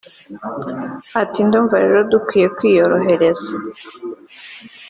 Ati” Numva rero dukwiye kwiyorohereza